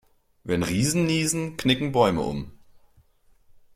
Wenn Riesen niesen, knicken Bäume um.